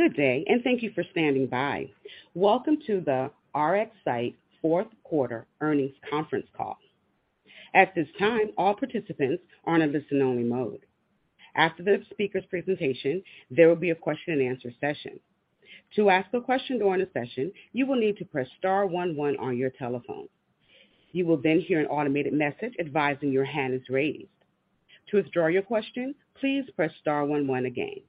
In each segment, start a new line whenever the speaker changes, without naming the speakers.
Good day, and thank you for standing by. Welcome to the RxSight Fourth Quarter Earnings Conference Call. At this time, all participants are in a listen-only mode. After the speaker's presentation, there will be a question-and-answer session. To ask a question during the session, you will need to press star one one on your telephone. You will then hear an automated message advising your hand is raised. To withdraw your question, please press star one one again.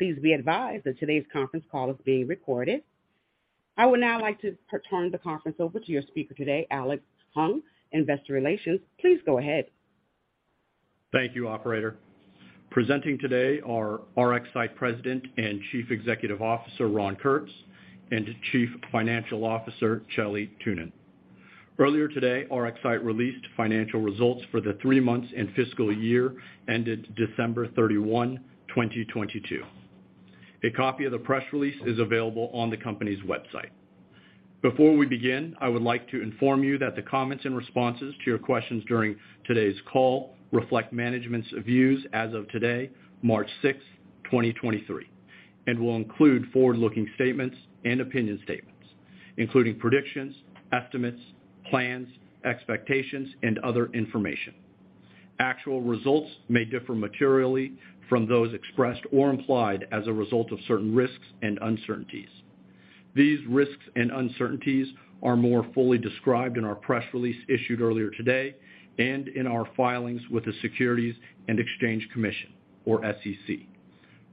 Please be advised that today's conference call is being recorded. I would now like to turn the conference over to your speaker today, Alex Huang, Investor Relations. Please go ahead.
Thank you, operator. Presenting today are RxSight President and Chief Executive Officer, Ron Kurtz, and Chief Financial Officer, Shelley Thunen. Earlier today, RxSight released financial results for the three months and fiscal year ended December 31, 2022. A copy of the press release is available on the company's website. Before we begin, I would like to inform you that the comments and responses to your questions during today's call reflect management's views as of today, March 6, 2023, and will include forward-looking statements and opinion statements, including predictions, estimates, plans, expectations, and other information. Actual results may differ materially from those expressed or implied as a result of certain risks and uncertainties. These risks and uncertainties are more fully described in our press release issued earlier today and in our filings with the Securities and Exchange Commission, or SEC.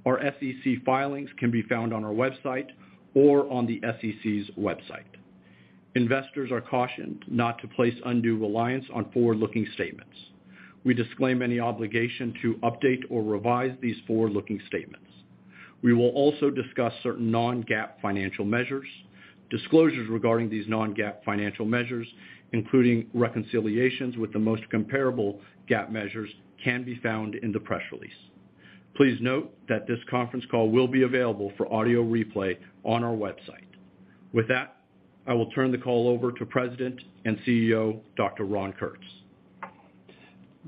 Our SEC filings can be found on our website or on the SEC's website. Investors are cautioned not to place undue reliance on forward-looking statements. We disclaim any obligation to update or revise these forward-looking statements. We will also discuss certain non-GAAP financial measures. Disclosures regarding these non-GAAP financial measures, including reconciliations with the most comparable GAAP measures, can be found in the press release. Please note that this conference call will be available for audio replay on our website. I will turn the call over to President and CEO, Dr. Ron Kurtz.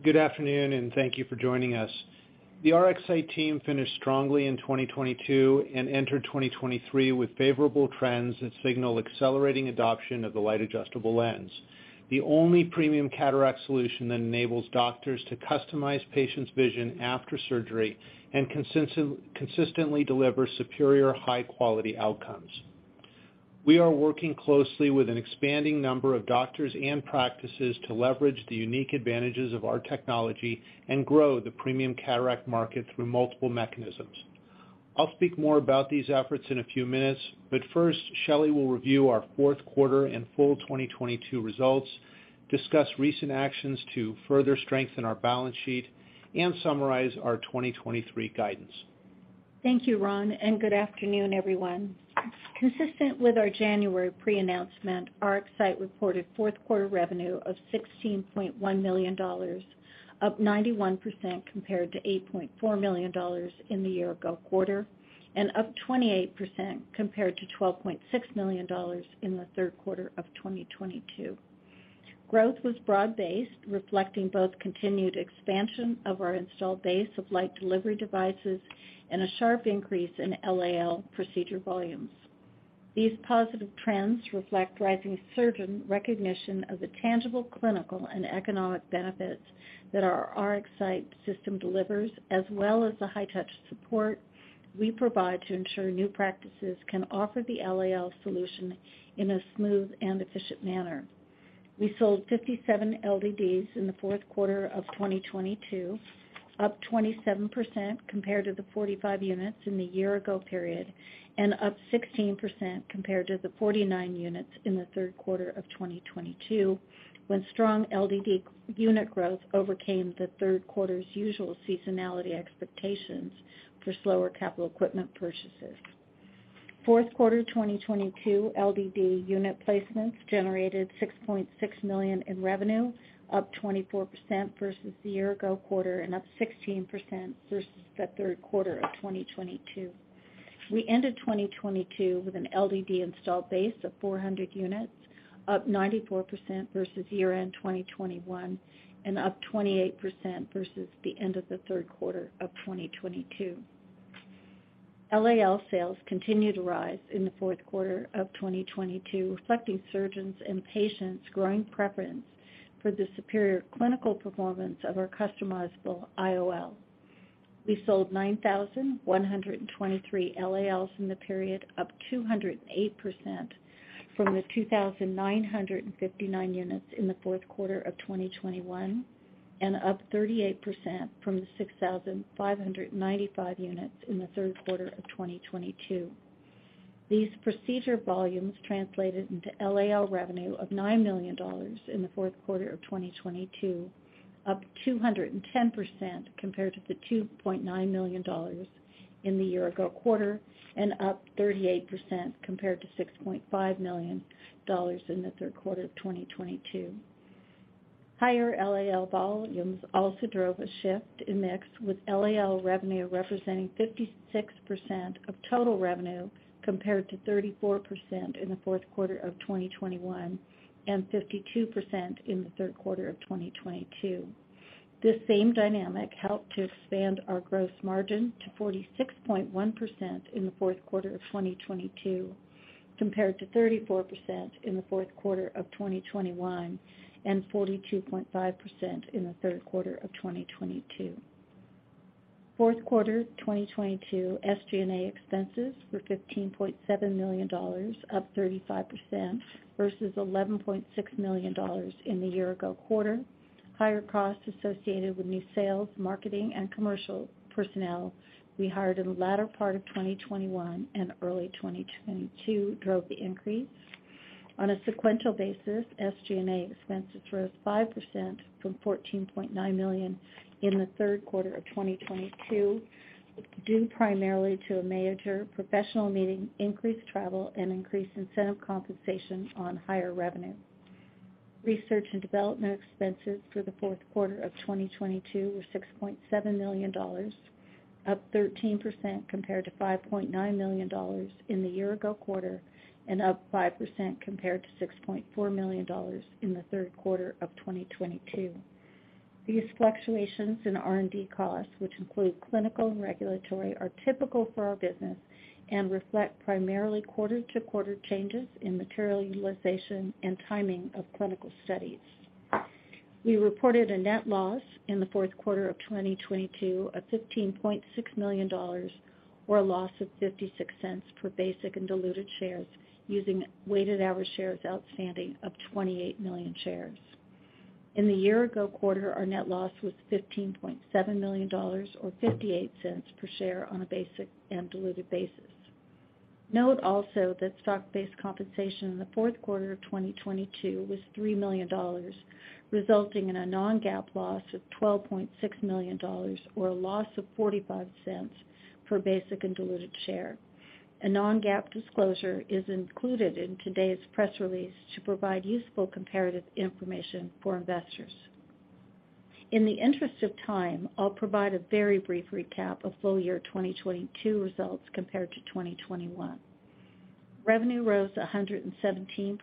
Good afternoon, and thank you for joining us. The RxSight team finished strongly in 2022 and entered 2023 with favorable trends that signal accelerating adoption of the Light Adjustable Lens, the only premium cataract solution that enables doctors to customize patients' vision after surgery and consistently deliver superior high-quality outcomes. We are working closely with an expanding number of doctors and practices to leverage the unique advantages of our technology and grow the premium cataract market through multiple mechanisms. I'll speak more about these efforts in a few minutes, but first, Shelley will review our fourth quarter and full 2022 results, discuss recent actions to further strengthen our balance sheet, and summarize our 2023 guidance.
Thank you, Ron. Good afternoon, everyone. Consistent with our January pre-announcement, RxSight reported fourth quarter revenue of $16.1 million, up 91% compared to $8.4 million in the year-ago quarter and up 28% compared to $12.6 million in the third quarter of 2022. Growth was broad-based, reflecting both continued expansion of our installed base of Light Delivery Device and a sharp increase in LAL procedure volumes. These positive trends reflect rising surgeon recognition of the tangible clinical and economic benefits that our RxSight system delivers, as well as the high-touch support we provide to ensure new practices can offer the LAL solution in a smooth and efficient manner. We sold 57 LDDs in the fourth quarter of 2022, up 27% compared to the 45 units in the year-ago period and up 16% compared to the 49 units in the third quarter of 2022, when strong LDD unit growth overcame the third quarter's usual seasonality expectations for slower capital equipment purchases. Fourth quarter 2022 LDD unit placements generated $6.6 million in revenue, up 24% versus the year-ago quarter and up 16% versus the third quarter of 2022. We ended 2022 with an LDD installed base of 400 units, up 94% versus year-end 2021 and up 28% versus the end of the third quarter of 2022. LAL sales continued to rise in the fourth quarter of 2022, reflecting surgeons' and patients' growing preference for the superior clinical performance of our customizable IOL. We sold 9,123 LALs in the period, up 208% from the 2,959 units in the fourth quarter of 2021, and up 38% from the 6,595 units in the third quarter of 2022. These procedure volumes translated into LAL revenue of $9 million in the fourth quarter of 2022, up 210% compared to the $2.9 million in the year ago quarter and up 38% compared to $6.5 million in the third quarter of 2022. Higher LAL volumes also drove a shift in mix, with LAL revenue representing 56% of total revenue, compared to 34% in the fourth quarter of 2021 and 52% in the third quarter of 2022. This same dynamic helped to expand our gross margin to 46.1% in the fourth quarter of 2022, compared to 34% in the fourth quarter of 2021 and 42.5% in the third quarter of 2022. Fourth quarter 2022 SG&A expenses were $15.7 million, up 35% versus $11.6 million in the year ago quarter. Higher costs associated with new sales, marketing, and commercial personnel we hired in the latter part of 2021 and early 2022 drove the increase. On a sequential basis, SG&A expenses rose 5% from $14.9 million in the third quarter of 2022, due primarily to a major professional meeting, increased travel and increased incentive compensation on higher revenue. Research and development expenses for the fourth quarter of 2022 were $6.7 million, up 13% compared to $5.9 million in the year ago quarter and up 5% compared to $6.4 million in the third quarter of 2022. These fluctuations in R&D costs, which include clinical and regulatory, are typical for our business and reflect primarily quarter-to-quarter changes in material utilization and timing of clinical studies. We reported a net loss in the fourth quarter of 2022 of $15.6 million or a loss of $0.56 per basic and diluted shares using weighted average shares outstanding of 28 million shares. In the year ago quarter, our net loss was $15.7 million or $0.58 per share on a basic and diluted basis. Note also that stock-based compensation in the fourth quarter of 2022 was $3 million, resulting in a non-GAAP loss of $12.6 million or a loss of $0.45 per basic and diluted share. A non-GAAP disclosure is included in today's press release to provide useful comparative information for investors. In the interest of time, I'll provide a very brief recap of full year 2022 results compared to 2021. Revenue rose 117%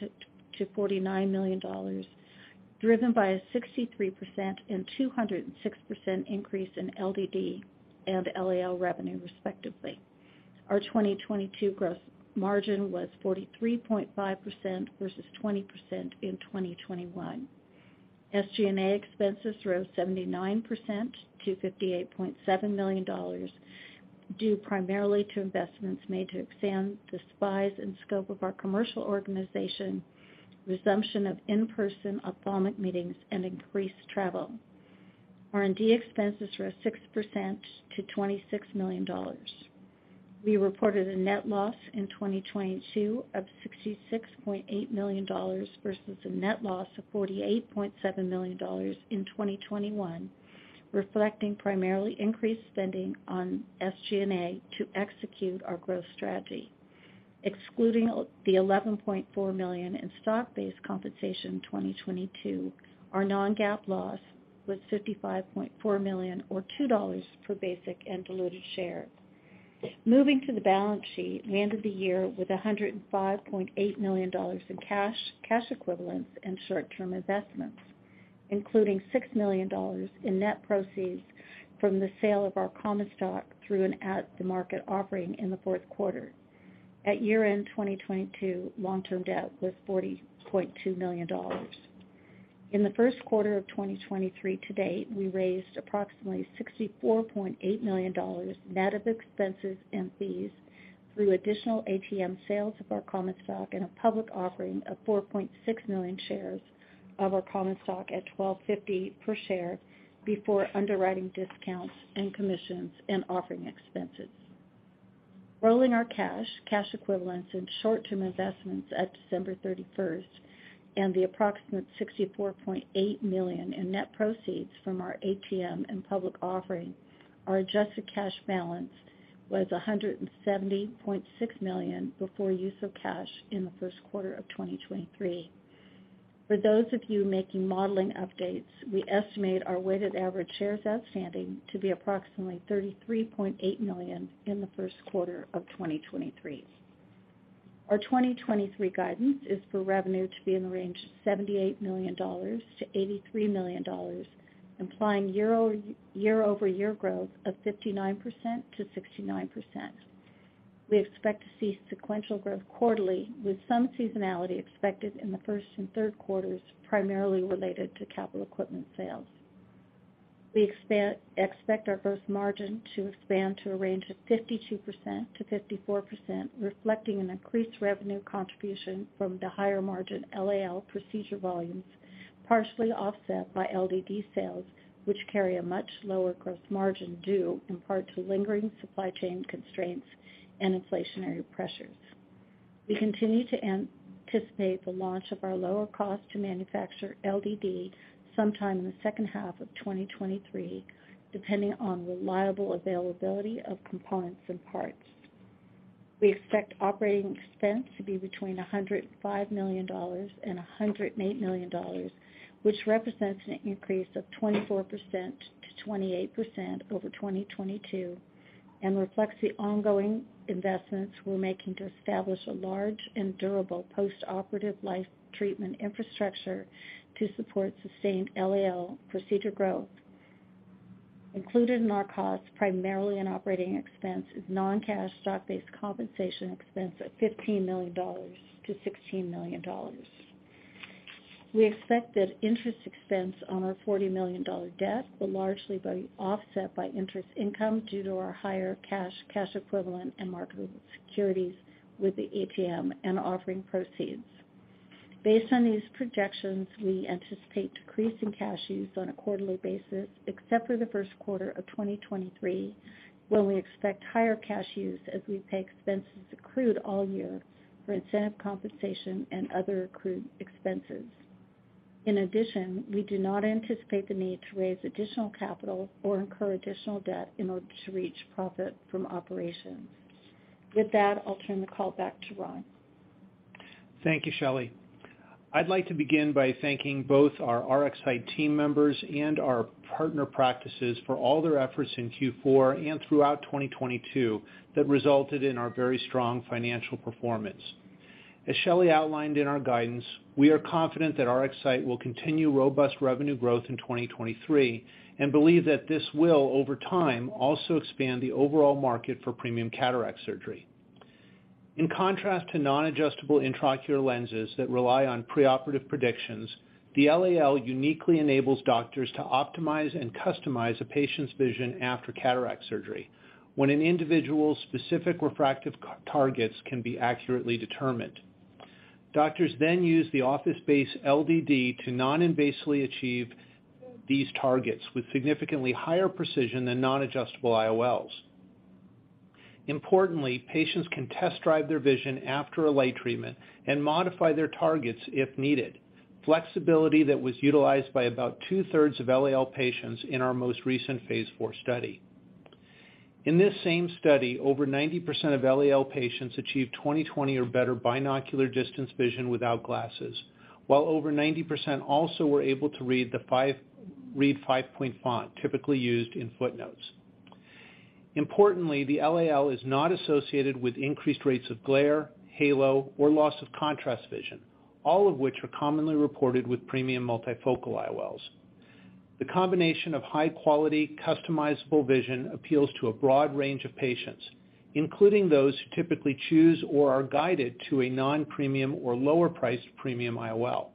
to $49 million, driven by a 63% and 206% increase in LDD and LAL revenue, respectively. Our 2022 gross margin was 43.5% versus 20% in 2021. SG&A expenses rose 79% to $58.7 million, due primarily to investments made to expand the size and scope of our commercial organization, resumption of in-person ophthalmic meetings and increased travel. R&D expenses rose 6% to $26 million. We reported a net loss in 2022 of $66.8 million versus a net loss of $48.7 million in 2021, reflecting primarily increased spending on SG&A to execute our growth strategy. Excluding the $11.4 million in stock-based compensation in 2022, our non-GAAP loss was $55.4 million or $2 per basic and diluted share. Moving to the balance sheet, we ended the year with $105.8 million in cash equivalents and short-term investments, including $6 million in net proceeds from the sale of our common stock through an at-the-market offering in the fourth quarter. At year-end 2022, long-term debt was $40.2 million. In the first quarter of 2023 to date, we raised approximately $64.8 million net of expenses and fees through additional ATM sales of our common stock and a public offering of 4.6 million shares of our common stock at $12.50 per share before underwriting discounts and commissions and offering expenses. Rolling our cash equivalents and short-term investments at December 31st and the approximate $64.8 million in net proceeds from our ATM and public offering, our adjusted cash balance was $170.6 million before use of cash in the first quarter of 2023. For those of you making modeling updates, we estimate our weighted average shares outstanding to be approximately 33.8 million in the first quarter of 2023. Our 2023 guidance is for revenue to be in the range of $78 million-$83 million, implying year-over-year growth of 59%-69%. We expect to see sequential growth quarterly with some seasonality expected in the first and third quarters, primarily related to capital equipment sales. We expect our gross margin to expand to a range of 52%-54%, reflecting an increased revenue contribution from the higher margin LAL procedure volumes, partially offset by LDD sales, which carry a much lower gross margin due in part to lingering supply chain constraints and inflationary pressures. We continue to anticipate the launch of our lower cost to manufacture LDD sometime in the second half of 2023, depending on reliable availability of components and parts. We expect operating expense to be between $105 million and $108 million, which represents an increase of 24%-28% over 2022 and reflects the ongoing investments we're making to establish a large and durable postoperative life treatment infrastructure to support sustained LAL procedure growth. Included in our costs, primarily in operating expense, is non-cash stock-based compensation expense of $15 million-$16 million. We expect that interest expense on our $40 million debt will largely be offset by interest income due to our higher cash equivalent and marketable securities with the ATM and offering proceeds. Based on these projections, we anticipate decreasing cash use on a quarterly basis, except for the first quarter of 2023, when we expect higher cash use as we pay expenses accrued all year for incentive compensation and other accrued expenses. We do not anticipate the need to raise additional capital or incur additional debt in order to reach profit from operations. With that, I'll turn the call back to Ron.
Thank you, Shelley. I'd like to begin by thanking both our RxSight team members and our partner practices for all their efforts in Q4 and throughout 2022 that resulted in our very strong financial performance. As Shelley outlined in our guidance, we are confident that RxSight will continue robust revenue growth in 2023 and believe that this will, over time, also expand the overall market for premium cataract surgery. In contrast to non-adjustable intraocular lenses that rely on preoperative predictions, the LAL uniquely enables doctors to optimize and customize a patient's vision after cataract surgery when an individual's specific refractive targets can be accurately determined. Doctors use the office-based LDD to non-invasively achieve these targets with significantly higher precision than non-adjustable IOLs. Importantly, patients can test drive their vision after a light treatment and modify their targets if needed. Flexibility that was utilized by about 2/3 of LAL patients in our most recent Phase IV study. In this same study, over 90% of LAL patients achieved 20/20 or better binocular distance vision without glasses, while over 90% also were able to read 5-point font typically used in footnotes. Importantly, the LAL is not associated with increased rates of glare, halo, or loss of contrast vision, all of which are commonly reported with premium multifocal IOLs. The combination of high-quality customizable vision appeals to a broad range of patients, including those who typically choose or are guided to a non-premium or lower-priced premium IOL.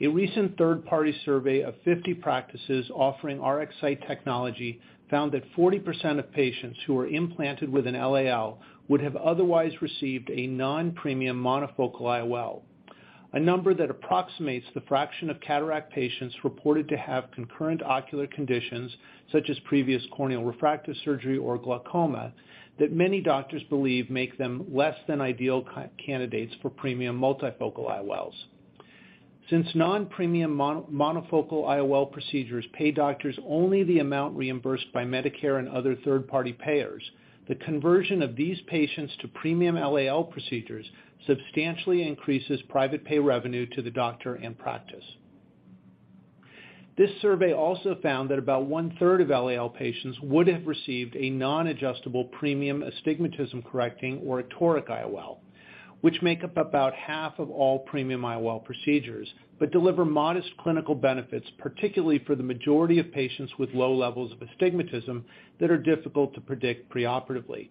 A recent third-party survey of 50 practices offering RxSight technology found that 40% of patients who were implanted with an LAL would have otherwise received a non-premium monofocal IOL, a number that approximates the fraction of cataract patients reported to have concurrent ocular conditions, such as previous corneal refractive surgery or glaucoma, that many doctors believe make them less than ideal candidates for premium multifocal IOLs. Since non-premium monofocal IOL procedures pay doctors only the amount reimbursed by Medicare and other third-party payers, the conversion of these patients to premium LAL procedures substantially increases private pay revenue to the doctor and practice. This survey also found that about one-third of LAL patients would have received a non-adjustable premium astigmatism-correcting or a toric IOL, which make up about half of all premium IOL procedures but deliver modest clinical benefits, particularly for the majority of patients with low levels of astigmatism that are difficult to predict preoperatively.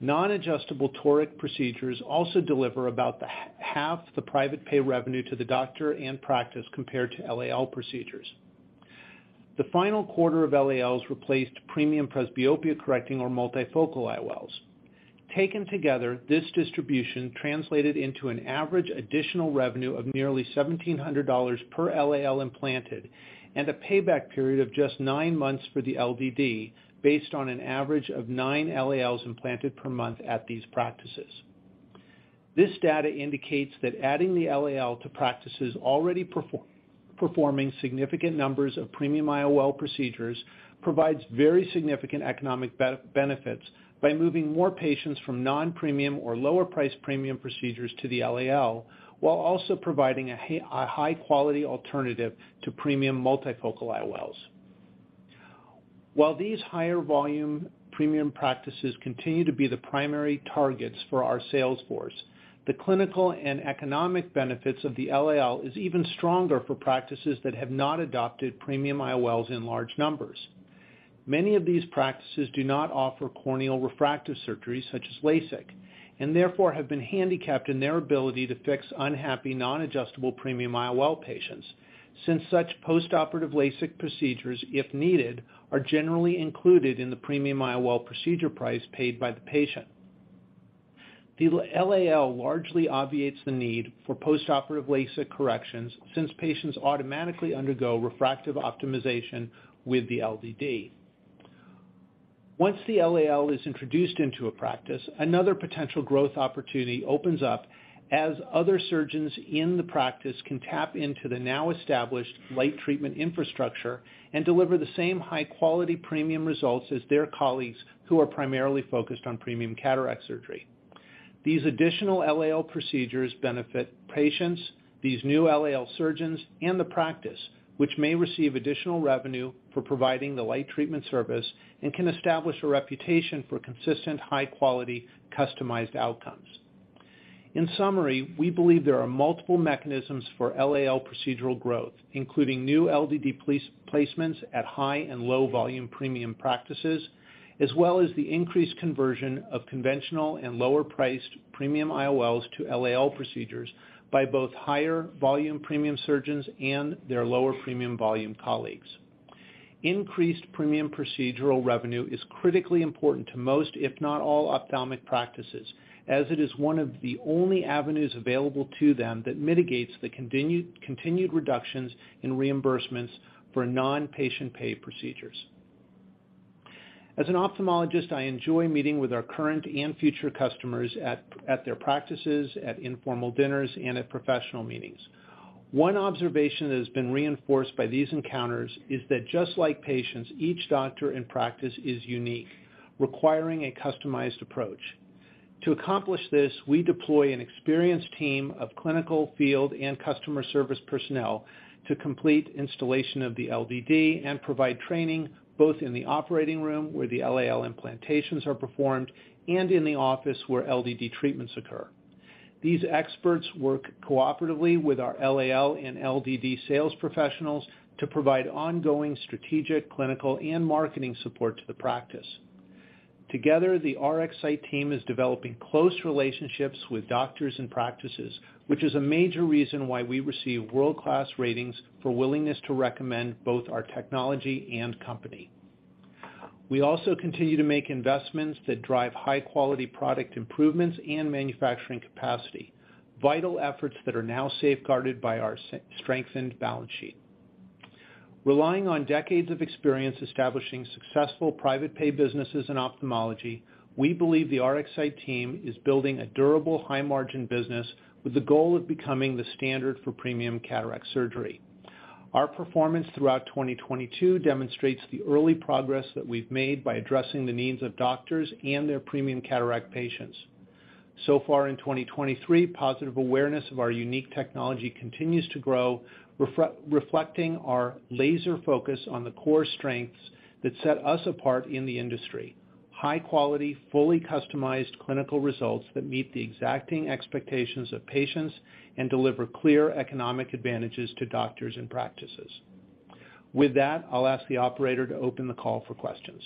Non-adjustable toric procedures also deliver about half the private pay revenue to the doctor and practice compared to LAL procedures. The final quarter of LALs replaced premium presbyopia-correcting or multifocal IOLs. Taken together, this distribution translated into an average additional revenue of nearly $1,700 per LAL implanted and a payback period of just nine months for the LDD based on an average of nine LALs implanted per month at these practices. This data indicates that adding the LAL to practices already performing significant numbers of premium IOL procedures provides very significant economic benefits by moving more patients from non-premium or lower-priced premium procedures to the LAL, while also providing a high-quality alternative to premium multifocal IOLs. While these higher volume premium practices continue to be the primary targets for our sales force, the clinical and economic benefits of the LAL is even stronger for practices that have not adopted premium IOLs in large numbers. Many of these practices do not offer corneal refractive surgery such as LASIK, and therefore have been handicapped in their ability to fix unhappy non-adjustable premium IOL patients, since such postoperative LASIK procedures, if needed, are generally included in the premium IOL procedure price paid by the patient. The LAL largely obviates the need for postoperative LASIK corrections since patients automatically undergo refractive optimization with the LDD. Once the LAL is introduced into a practice, another potential growth opportunity opens up as other surgeons in the practice can tap into the now established light treatment infrastructure and deliver the same high-quality premium results as their colleagues who are primarily focused on premium cataract surgery. These additional LAL procedures benefit patients, these new LAL surgeons and the practice, which may receive additional revenue for providing the light treatment service and can establish a reputation for consistent, high quality, customized outcomes. In summary, we believe there are multiple mechanisms for LAL procedural growth, including new LDD place-placements at high and low volume premium practices, as well as the increased conversion of conventional and lower priced premium IOLs to LAL procedures by both higher volume premium surgeons and their lower premium volume colleagues. Increased premium procedural revenue is critically important to most, if not all, ophthalmic practices as it is one of the only avenues available to them that mitigates the continued reductions in reimbursements for non-patient pay procedures. As an ophthalmologist, I enjoy meeting with our current and future customers at their practices, at informal dinners and at professional meetings. One observation that has been reinforced by these encounters is that just like patients, each doctor and practice is unique, requiring a customized approach. To accomplish this, we deploy an experienced team of clinical, field and customer service personnel to complete installation of the LDD and provide training both in the operating room, where the LAL implantations are performed, and in the office where LDD treatments occur. These experts work cooperatively with our LAL and LDD sales professionals to provide ongoing strategic, clinical and marketing support to the practice. Together, the RxSight team is developing close relationships with doctors and practices, which is a major reason why we receive world-class ratings for willingness to recommend both our technology and company. We also continue to make investments that drive high quality product improvements and manufacturing capacity, vital efforts that are now safeguarded by our strengthened balance sheet. Relying on decades of experience establishing successful private pay businesses in ophthalmology, we believe the RxSight team is building a durable, high margin business with the goal of becoming the standard for premium cataract surgery. Our performance throughout 2022 demonstrates the early progress that we've made by addressing the needs of doctors and their premium cataract patients. Far in 2023 positive awareness of our unique technology continues to grow, reflecting our laser focus on the core strengths that set us apart in the industry. High quality, fully customized clinical results that meet the exacting expectations of patients and deliver clear economic advantages to doctors and practices. With that, I'll ask the operator to open the call for questions.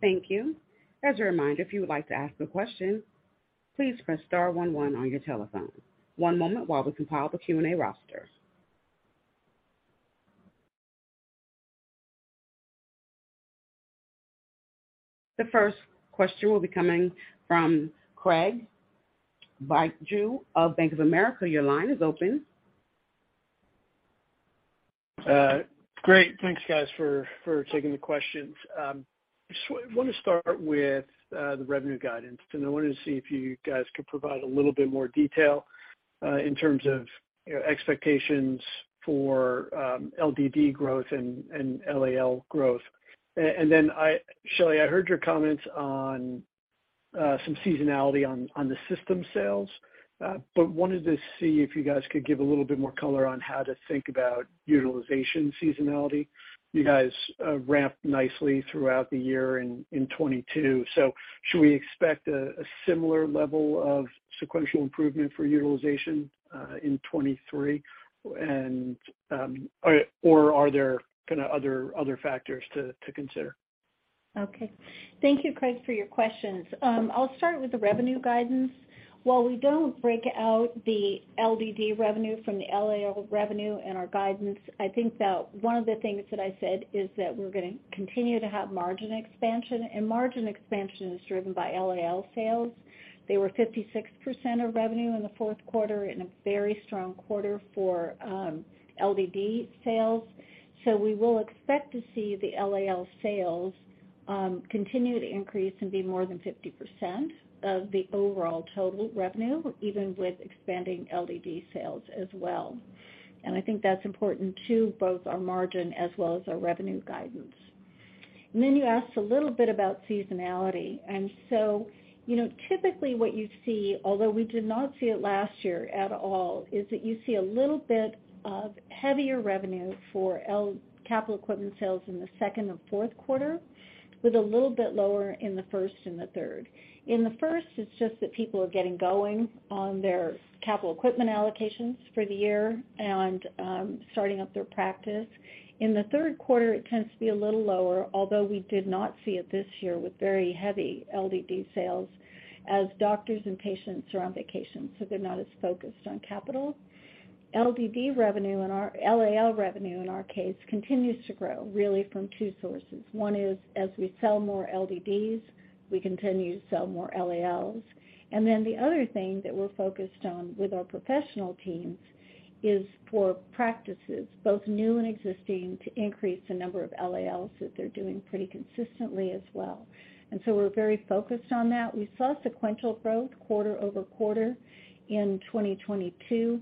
Thank you. As a reminder, if you would like to ask a question, please press star one one on your telephone. One moment while we compile the Q&A roster. The first question will be coming from Craig Bijou of Bank of America. Your line is open.
Great, thanks guys for taking the questions. Just want to start with the revenue guidance. I wanted to see if you guys could provide a little bit more detail in terms of your expectations for LDD growth and LAL growth. Then Shelley, I heard your comments on some seasonality on the system sales, but wanted to see if you guys could give a little bit more color on how to think about utilization seasonality. You guys ramped nicely throughout the year in 2022. Should we expect a similar level of sequential improvement for utilization in 2023? Or are there kind of other factors to consider?
Okay. Thank you, Craig Bijou, for your questions. I'll start with the revenue guidance. While we don't break out the LDD revenue from the LAL revenue and our guidance, I think that one of the things that I said is that we're gonna continue to have margin expansion, and margin expansion is driven by LAL sales. They were 56% of revenue in the fourth quarter in a very strong quarter for LDD sales. We will expect to see the LAL sales continue to increase and be more than 50% of the overall total revenue, even with expanding LDD sales as well. I think that's important to both our margin as well as our revenue guidance. You asked a little bit about seasonality, and so you know, typically what you see, although we did not see it last year at all, is that you see a little bit of heavier revenue for capital equipment sales in the second or fourth quarter with a little bit lower in the first and the third. In the first, it's just that people are getting going on their capital equipment allocations for the year and starting up their practice. In the third quarter, it tends to be a little lower, although we did not see it this year with very heavy LDD sales as doctors and patients are on vacation, they're not as focused on capital. LDD revenue LAL revenue in our case continues to grow really from two sources. One is as we sell more LDDs, we continue to sell more LALs. The other thing that we're focused on with our professional teams is for practices, both new and existing, to increase the number of LALs that they're doing pretty consistently as well. We're very focused on that. We saw sequential growth quarter-over-quarter in 2022.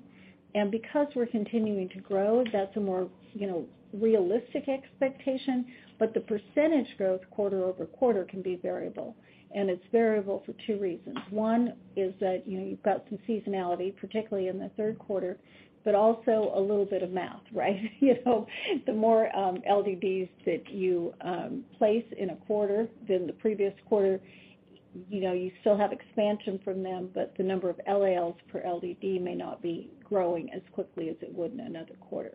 Because we're continuing to grow, that's a more, you know, realistic expectation. The % growth quarter-over-quarter can be variable, and it's variable for two reasons. One is that, you know, you've got some seasonality, particularly in the third quarter, but also a little bit of math, right? You know, the more LDDs that you place in a quarter than the previous quarter, you know, you still have expansion from them, but the number of LALs per LDD may not be growing as quickly as it would in another quarter.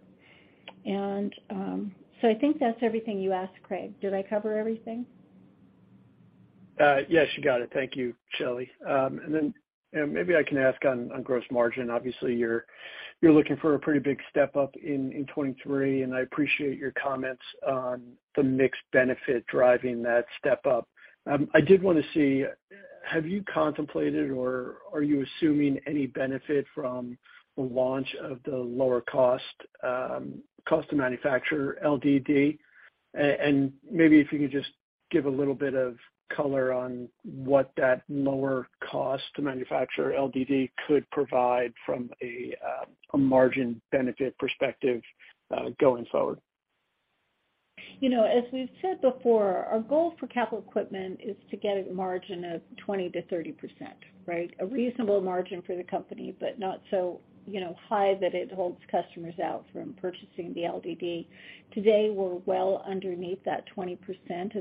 I think that's everything you asked, Craig. Did I cover everything?
Yes, you got it. Thank you, Shelley. Then, and maybe I can ask on gross margin. Obviously, you're looking for a pretty big step up in 2023, and I appreciate your comments on the mix benefit driving that step up. I did wanna see, have you contemplated or are you assuming any benefit from the launch of the lower cost to manufacture LDD? Maybe if you could just give a little bit of color on what that lower cost to manufacture LDD could provide from a margin benefit perspective, going forward.
You know, as we've said before, our goal for capital equipment is to get a margin of 20%-30%, right? A reasonable margin for the company, not so, you know, high that it holds customers out from purchasing the LDD. Today, we're well underneath that 20%.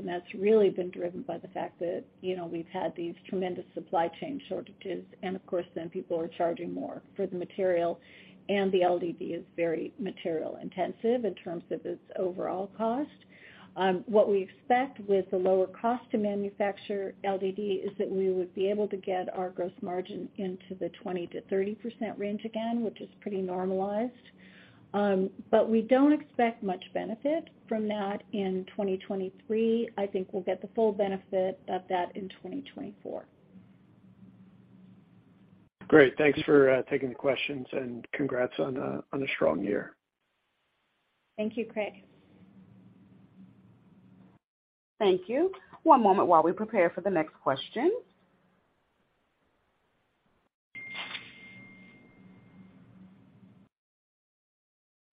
That's really been driven by the fact that, you know, we've had these tremendous supply chain shortages. Of course then people are charging more for the material, the LDD is very material intensive in terms of its overall cost. What we expect with the lower cost to manufacture LDD is that we would be able to get our gross margin into the 20%-30% range again, which is pretty normalized. We don't expect much benefit from that in 2023. I think we'll get the full benefit of that in 2024.
Great. Thanks for taking the questions and congrats on a strong year.
Thank you, Craig.
Thank you. One moment while we prepare for the next question.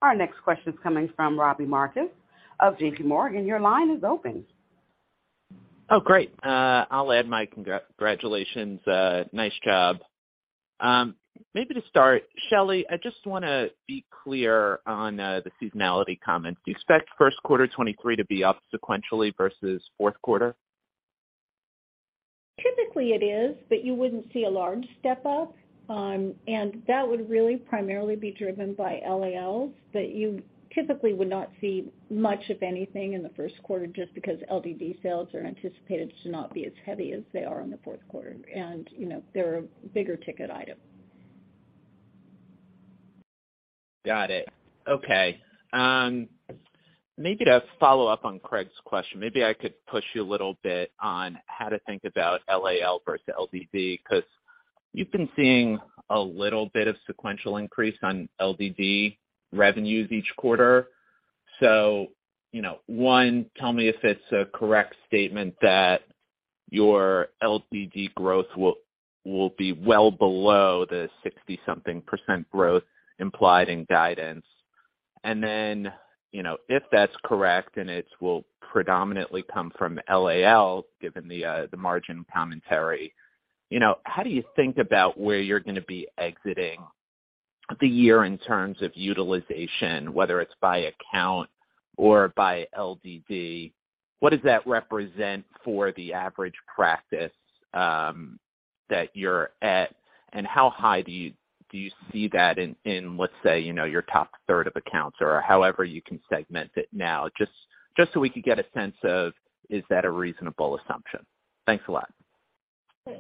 Our next question is coming from Robbie Marcus of JPMorgan. Your line is open.
Oh, great. I'll add my congratulations. Nice job. Maybe to start, Shelley, I just wanna be clear on the seasonality comments. Do you expect first quarter 2023 to be up sequentially versus fourth quarter?
Typically it is, but you wouldn't see a large step up. That would really primarily be driven by LALs, but you typically would not see much of anything in the first quarter just because LDD sales are anticipated to not be as heavy as they are in the fourth quarter. You know, they're a bigger ticket item.
Got it. Okay. Maybe to follow up on Craig's question, maybe I could push you a little bit on how to think about LAL versus LDD 'cause you've been seeing a little bit of sequential increase on LDD revenues each quarter. You know, one, tell me if it's a correct statement that your LDD growth will be well below the 60 something % growth implied in guidance. You know, if that's correct, and it will predominantly come from LAL given the margin commentary, you know, how do you think about where you're gonna be exiting the year in terms of utilization, whether it's by account or by LDD? What does that represent for the average practice that you're at? How high do you see that in, let's say, you know, your top third of accounts or however you can segment it now? Just so we can get a sense of, is that a reasonable assumption? Thanks a lot.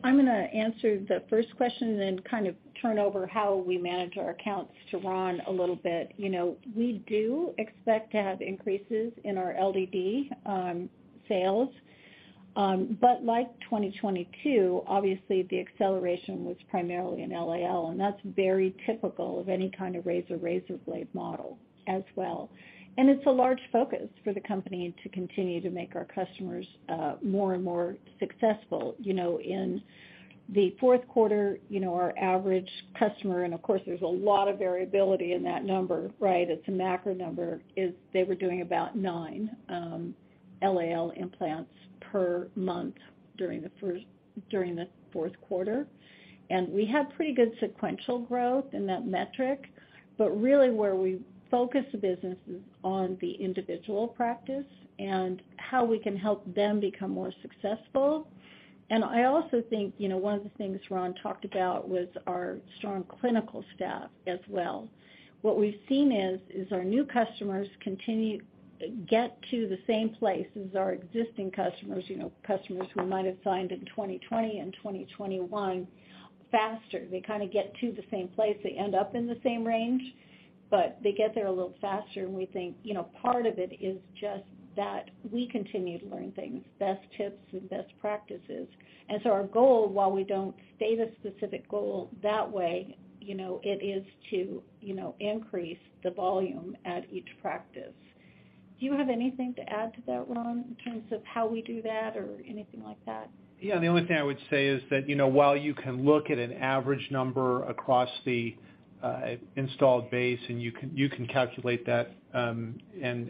I'm gonna answer the first question then kind of turn over how we manage our accounts to Ron a little bit. You know, we do expect to have increases in our LDD sales. Like 2022, obviously the acceleration was primarily in LAL, and that's very typical of any kind of razor blade model as well. It's a large focus for the company to continue to make our customers more and more successful. You know, in the fourth quarter, you know, our average customer, and of course there's a lot of variability in that number, right? It's a macro number, is they were doing about nine LAL implants per month during the fourth quarter. We had pretty good sequential growth in that metric, but really where we focus the business is on the individual practice and how we can help them become more successful. I also think, you know, one of the things Ron talked about was our strong clinical staff as well. What we've seen is our new customers continue get to the same place as our existing customers, you know, customers who we might have signed in 2020 and 2021 faster. They kinda get to the same place. They end up in the same range, but they get there a little faster. We think, you know, part of it is just that we continue to learn things, best tips and best practices. Our goal, while we don't state a specific goal that way, you know, it is to, you know, increase the volume at each practice. Do you have anything to add to that, Ron, in terms of how we do that or anything like that?
Yeah. The only thing I would say is that, you know, while you can look at an average number across the installed base, and you can calculate that, and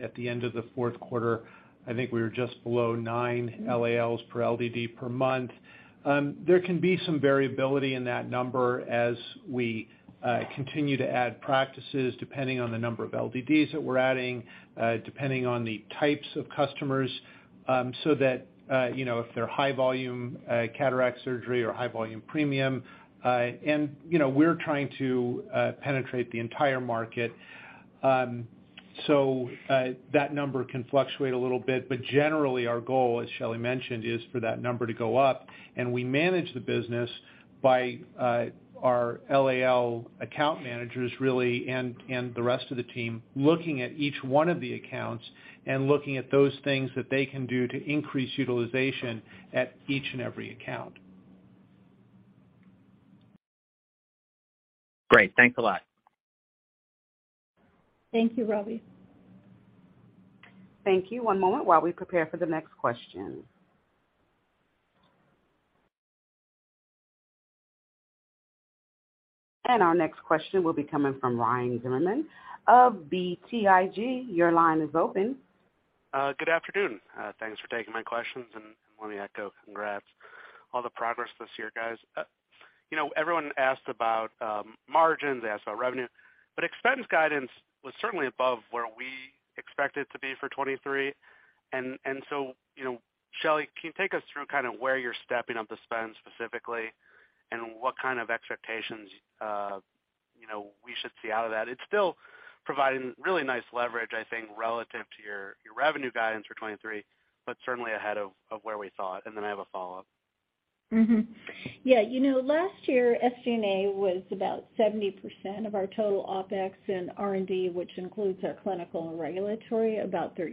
at the end of the fourth quarter, I think we were just below nine LALs per LDD per month. There can be some variability in that number as we continue to add practices depending on the number of LDDs that we're adding, depending on the types of customers, so that, you know, if they're high volume cataract surgery or high volume premium, and, you know, we're trying to penetrate the entire market. That number can fluctuate a little bit, but generally our goal, as Shelley mentioned, is for that number to go up. We manage the business by, our LAL Account Managers really, and the rest of the team looking at each one of the accounts and looking at those things that they can do to increase utilization at each and every account.
Great. Thanks a lot.
Thank you, Robbie.
Thank you. One moment while we prepare for the next question. Our next question will be coming from Ryan Zimmerman of BTIG. Your line is open.
Good afternoon. Thanks for taking my questions and let me echo congrats. All the progress this year, guys. You know, everyone asked about margins, they asked about revenue, but expense guidance was certainly above where we expect it to be for 2023. You know, Shelley, can you take us through kind of where you're stepping up the spend specifically and what kind of expectations, you know, we should see out of that? It's still providing really nice leverage, I think, relative to your revenue guidance for 2023, but certainly ahead of where we saw it. I have a follow-up.
Yeah. You know, last year, SG&A was about 70% of our total OpEx and R&D, which includes our clinical and regulatory, about 30%.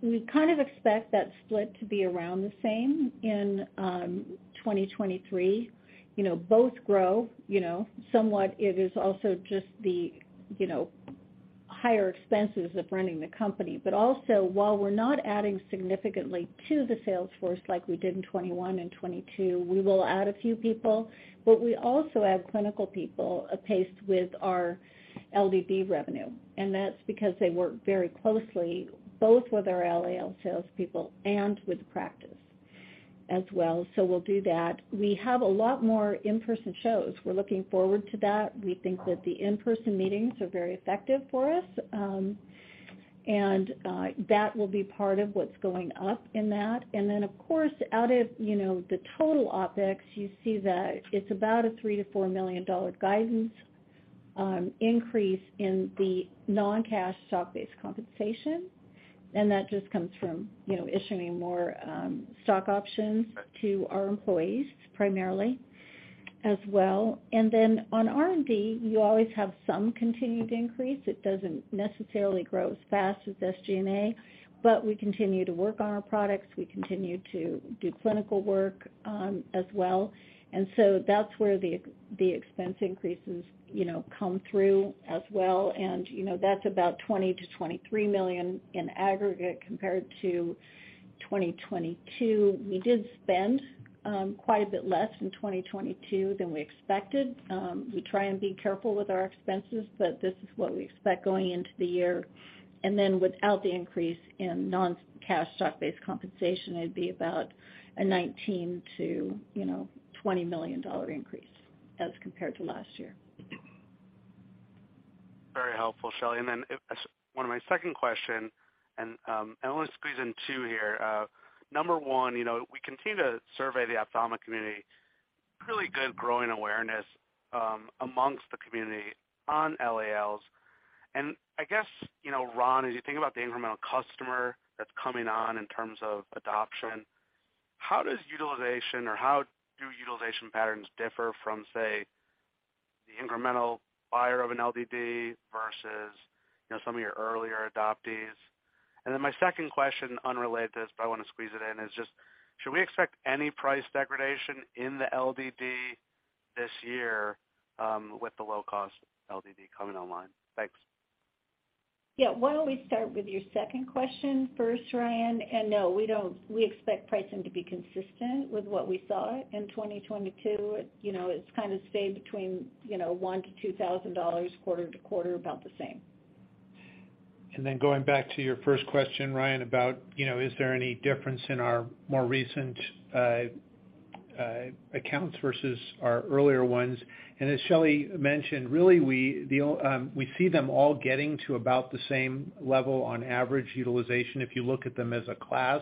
We kind of expect that split to be around the same in 2023. You know, both grow, you know, somewhat it is also just the, you know, higher expenses of running the company. Also, while we're not adding significantly to the sales force like we did in 2021 and 2022, we will add a few people, but we also add clinical people apace with our LDD revenue. That's because they work very closely, both with our LAL salespeople and with practice as well. We'll do that. We have a lot more in-person shows. We're looking forward to that. We think that the in-person meetings are very effective for us. That will be part of what's going up in that. Of course, out of, you know, the total OpEx, you see that it's about a $3 million-$4 million guidance increase in the non-cash stock-based compensation. That just comes from, you know, issuing more stock options to our employees primarily as well. On R&D, you always have some continued increase. It doesn't necessarily grow as fast as SG&A, but we continue to work on our products. We continue to do clinical work as well. That's where the expense increases, you know, come through as well. You know, that's about $20 million-$23 million in aggregate compared to 2022. We did spend quite a bit less in 2022 than we expected. We try and be careful with our expenses, but this is what we expect going into the year. Without the increase in non-cash stock-based compensation, it'd be about a $19 million to, you know, $20 million increase as compared to last year.
Very helpful, Shelley. I wanna squeeze in two here. Number one, you know, we continue to survey the ophthalmic community, really good growing awareness amongst the community on LALs. I guess, you know, Ron, as you think about the incremental customer that's coming on in terms of adoption, how does utilization or how do utilization patterns differ from, say, the incremental buyer of an LDD versus, you know, some of your earlier adoptees? My second question, unrelated to this, but I wanna squeeze it in, is just should we expect any price degradation in the LDD this year with the low-cost LDD coming online? Thanks.
Yeah. Why don't we start with your second question first, Ryan? No, we don't. We expect pricing to be consistent with what we saw in 2022. You know, it's kinda stayed between, you know, $1,000-$2,000 quarter to quarter, about the same.
Then going back to your first question, Ryan, about, you know, is there any difference in our more recent accounts versus our earlier ones. As Shelley mentioned, really, we see them all getting to about the same level on average utilization if you look at them as a class.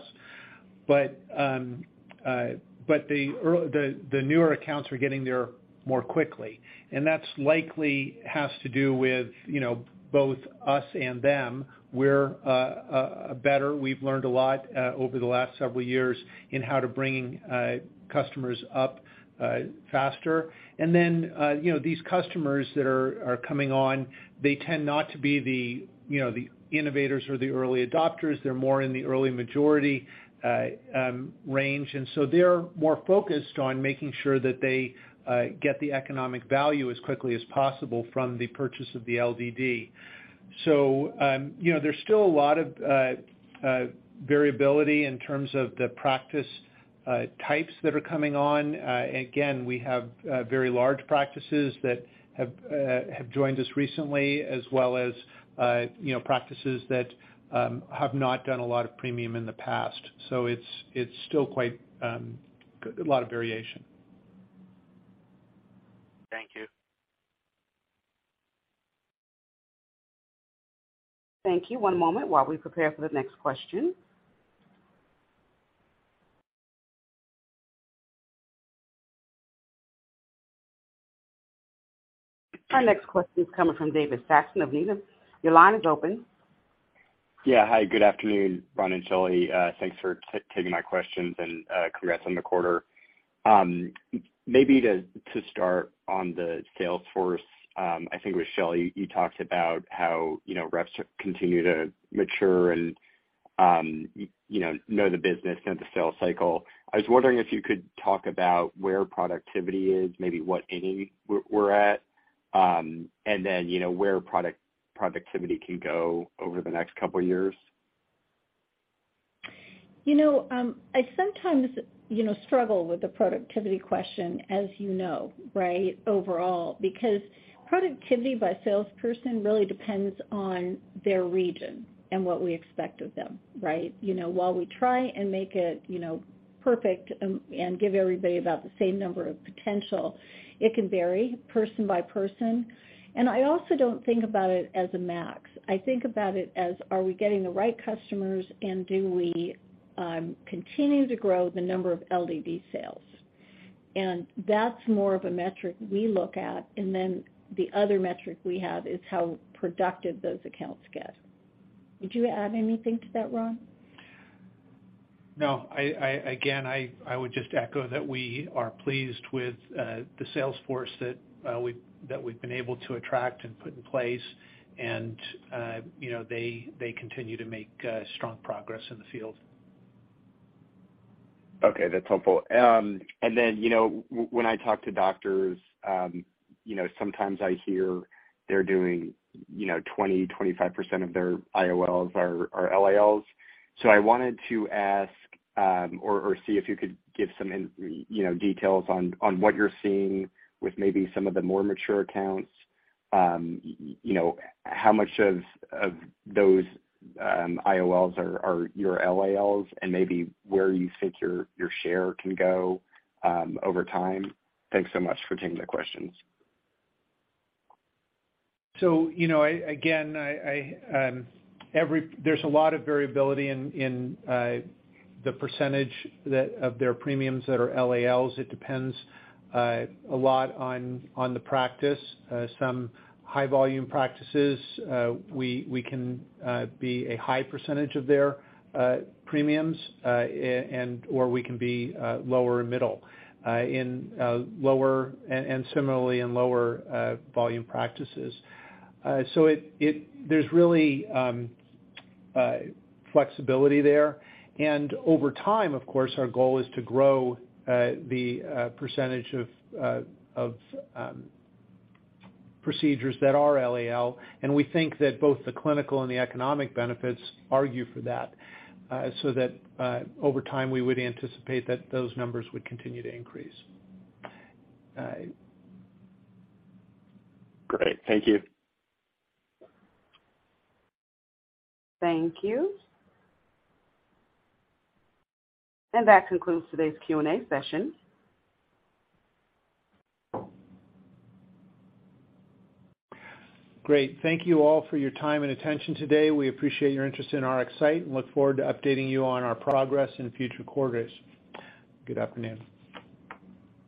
The newer accounts are getting there more quickly. That's likely has to do with, you know, both us and them. We're better. We've learned a lot over the last several years in how to bring customers up faster. Then, you know, these customers that are coming on, they tend not to be the, you know, the innovators or the early adopters. They're more in the early majority range. They're more focused on making sure that they get the economic value as quickly as possible from the purchase of the LDD. You know, there's still a lot of variability in terms of the practice types that are coming on. We have very large practices that have joined us recently, as well as, you know, practices that have not done a lot of premium in the past. It's still quite a lot of variation.
Thank you.
Thank you. One moment while we prepare for the next question. Our next question is coming from David Saxon of Needham. Your line is open.
Hi, good afternoon, Ron and Shelley. Thanks for taking my questions and congrats on the quarter. Maybe to start on the sales force, I think it was Shelley, you talked about how, you know, reps continue to mature and, you know the business, know the sales cycle. I was wondering if you could talk about where productivity is, maybe what inning we're at, and then, you know, where productivity can go over the next couple years?
You know, I sometimes, you know, struggle with the productivity question, as you know, right, overall. Productivity by salesperson really depends on their region and what we expect of them, right? You know, while we try and make it, you know, perfect and give everybody about the same number of potential, it can vary person by person. I also don't think about it as a max. I think about it as are we getting the right customers and do we continue to grow the number of LDD sales? That's more of a metric we look at, and then the other metric we have is how productive those accounts get. Would you add anything to that, Ron?
No. I, again, I would just echo that we are pleased with the sales force that we've been able to attract and put in place and, you know, they continue to make strong progress in the field.
Okay. That's helpful. Then, you know, when I talk to doctors, you know, sometimes I hear they're doing, you know, 20%-25% of their IOLs are LALs. I wanted to ask, or see if you could give some you know, details on what you're seeing with maybe some of the more mature accounts. You know, how much of those IOLs are your LALs and maybe where you think your share can go, over time. Thanks so much for taking the questions.
you know, I, again, there's a lot of variability in the percentage that, of their premiums that are LALs. It depends a lot on the practice. Some high volume practices, we can be a high percentage of their premiums, and or we can be lower middle, in lower and similarly in lower volume practices. it, there's really flexibility there. Over time, of course, our goal is to grow the percentage of of procedures that are LAL, and we think that both the clinical and the economic benefits argue for that, so that over time, we would anticipate that those numbers would continue to increase.
Great. Thank you.
Thank you. That concludes today's Q&A session.
Great. Thank you all for your time and attention today. We appreciate your interest in RxSight and look forward to updating you on our progress in future quarters. Good afternoon.